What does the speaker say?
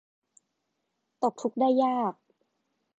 ตกทุกข์ได้ยาก